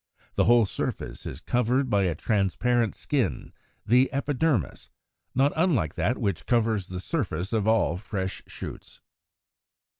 The whole surface is covered by a transparent skin, the Epidermis, not unlike that which covers the surface of all fresh shoots.